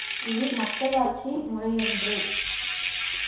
இது மக்களாட்சி முறையன்று!